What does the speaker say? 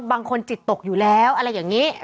บางคนจิตตกอยู่แล้วอะไรอย่างนี้